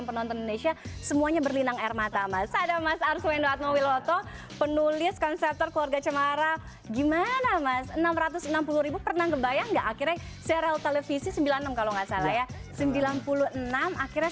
enam puluh pernah ngebayang gak akhirnya serial televisi sembilan puluh enam kalau nggak salah ya sembilan puluh enam akhirnya